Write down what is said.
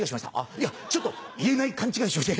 いやちょっと言えない勘違いをしまして。